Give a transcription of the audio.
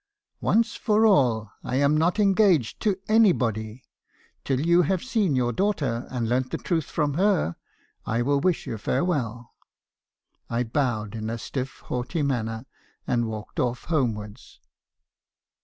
11 ' Once for all, I am not engaged to anybody. Till you have seen your daughter, and learnt the truth from her, I will wish you farewell.' U I bowed in a stiff, haughty manner, and walked off homewards.